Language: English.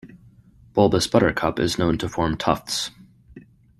Bulbous buttercup is known to form tufts.